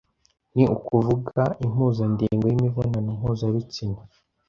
ni ukuvuga impuzandengo y'imibonano mpuzabitsina